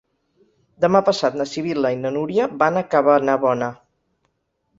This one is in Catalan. Demà passat na Sibil·la i na Núria van a Cabanabona.